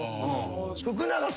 福永さん